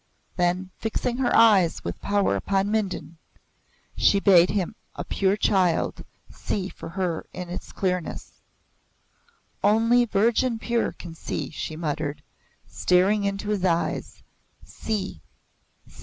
Then, fixing her eyes with power upon Mindon, she bade him, a pure child, see for her in its clearness. "Only virgin pure can see!" she muttered, staring into his eyes. "See!